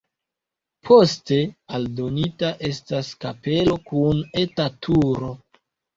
Poste aldonita estas kapelo kun eta turo.